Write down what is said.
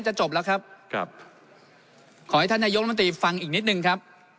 จบแล้วครับครับขอให้ท่านนายกรรมตรีฟังอีกนิดนึงครับ